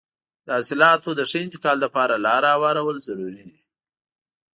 د حاصلاتو د ښه انتقال لپاره لاره هوارول ضروري دي.